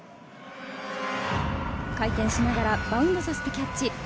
回転しながらバウンドさせてキャッチ。